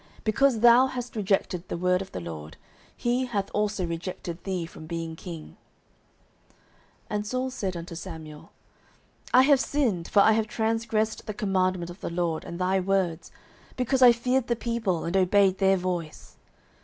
Because thou hast rejected the word of the LORD, he hath also rejected thee from being king. 09:015:024 And Saul said unto Samuel, I have sinned: for I have transgressed the commandment of the LORD, and thy words: because I feared the people, and obeyed their voice.